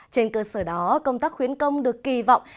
trên cơ sở đó công tác khuyến công được kỳ vọng